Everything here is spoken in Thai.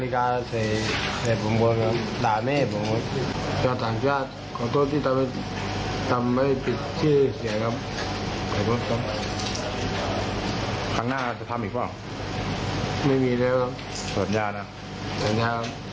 ครั้งหน้าจะทำอีกหรอไม่มีแล้วสัญญานะ